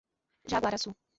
Jaguaraçu